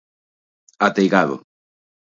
Ateigado.